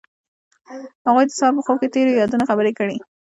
هغوی د سهار په خوا کې تیرو یادونو خبرې کړې.